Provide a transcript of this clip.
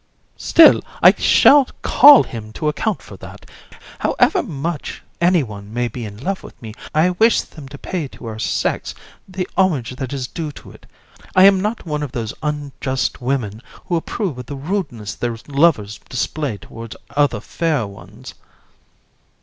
COUN. Still, I shall call him to account for that. However much any one may be in love with me, I wish them to pay to our sex the homage that is due to it. I am not one of those unjust women who approve of the rudeness their lovers display towards other fair ones.